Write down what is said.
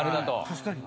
確かに。